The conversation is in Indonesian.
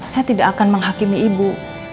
saya tidak akan menghakimi ibu